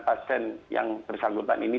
pasien yang bersangkutan ini